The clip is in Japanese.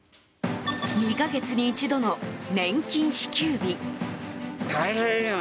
２か月に一度の年金支給日。